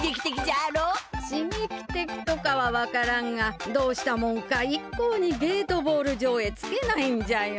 しげきてきとかはわからんがどうしたもんかいっこうにゲートボール場へ着けないんじゃよ。